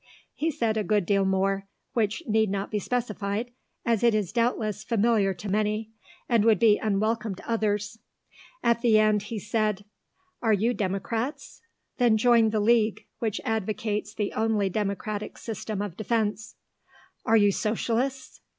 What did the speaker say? He said a good deal more, which need not be specified, as it is doubtless familiar to many, and would be unwelcome to others. At the end he said, "Are you Democrats? Then join the League, which advocates the only democratic system of defence. Are you Socialists?"